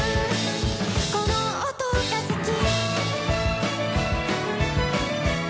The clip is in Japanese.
「この音が好き」